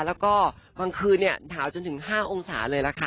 แล้วก็กลางคืนหนาวจนถึง๕องศาเลยล่ะค่ะ